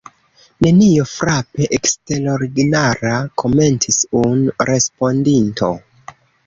Nenio frape eksterordinara, komentis unu respondinto.